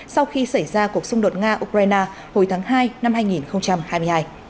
sau khi xảy ra cuộc xung đột nga ukraine hồi tháng hai năm hai nghìn hai mươi hai